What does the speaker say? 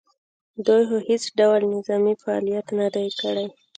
دوی خو هېڅ ډول نظامي فعالیت نه دی کړی